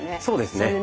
そうですね。